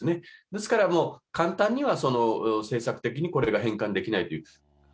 ですから、もう簡単には、政策的にこれは変換できないという。